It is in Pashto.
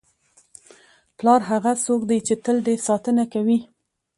پلار هغه څوک دی چې تل دې ساتنه کوي.